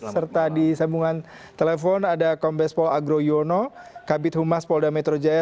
serta di sambungan telepon ada kombes pol agro yono kabit humas polda metro jaya